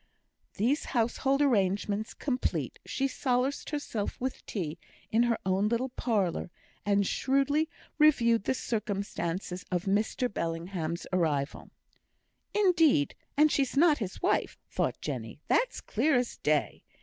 These household arrangements complete, she solaced herself with tea in her own little parlour, and shrewdly reviewed the circumstances of Mr Bellingham's arrival. "Indeed! and she's not his wife," thought Jenny, "that's clear as day.